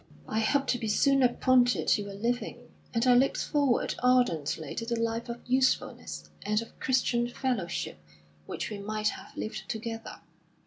"I hope to be soon appointed to a living, and I looked forward ardently to the life of usefulness and of Christian fellowship which we might have lived together.